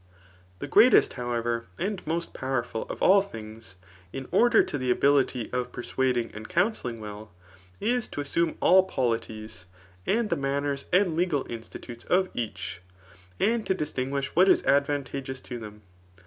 Thb greatest, however, and most powerful of all things^ in order to the ability of persuading and coun selling well, is to assume all polities, and the maimers and l^;al institutes of each, and to distinguish what is advantageous to them.